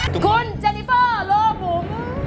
คุณเจริเฟอร์โลบู